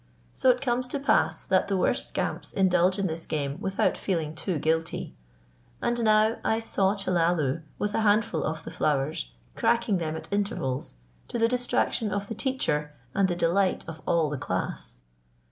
So it comes to pass that the worst scamps indulge in this game without feeling too guilty; and now I saw Chellalu with a handful of the flowers, cracking them at intervals, to the distraction of the teacher and the delight of all the class.